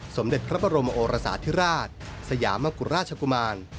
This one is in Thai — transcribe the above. สมเด็จพระบรมโอรสาธิราชสยามกุราชกุมาร